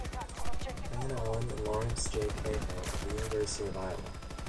Van Allen and Lawrence J. Cahill of The University of Iowa.